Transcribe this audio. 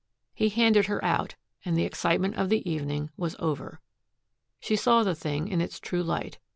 He handed her out, and the excitement of the evening was over. She saw the thing in its true light.